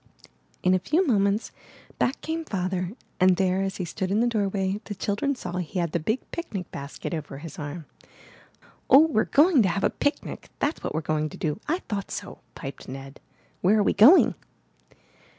In a few moments back came Father, and there, as he stood in the doorway, the children saw he had the big picnic basket over his arm. *'0h, we're going to have a picnic, that's what we're going to do! I thought so!'' piped Ned. * Where are we going?"